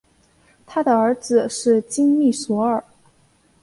他的儿子是金密索尔。